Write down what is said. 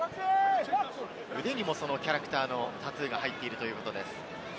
腕にもそのキャラクターのタトゥーが入っているということです。